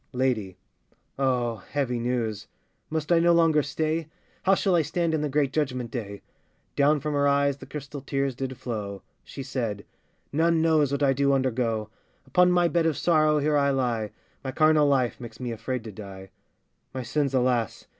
LADY. Oh! heavy news! must I no longer stay? How shall I stand in the great judgment day? [Down from her eyes the crystal tears did flow: She said], None knows what I do undergo: Upon my bed of sorrow here I lie; My carnal life makes me afraid to die. My sins, alas!